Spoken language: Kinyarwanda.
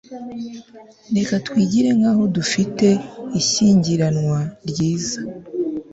Reka twigire nkaho dufite ishyingiranwa ryiza